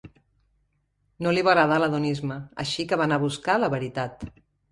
No li va agradar l'hedonisme, així que va anar a buscar la veritat.